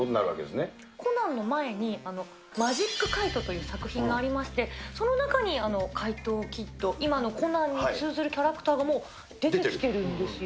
コナンの前に、まじっく快斗という作品がありまして、その中に怪盗キッド、今のコナンに通ずるキャラクターがもう出てきてるんですよ。